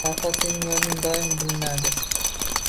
Farhod, sening o`rning doim bilinadi